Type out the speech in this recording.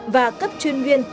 và cấp chuyên nguyên